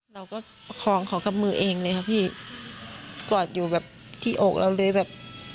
ประคองเขากับมือเองเลยค่ะพี่กอดอยู่แบบที่อกเราเลยแบบ